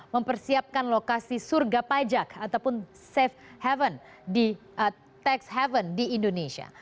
mempersiapkan lokasi surga pajak ataupun safe haven di indonesia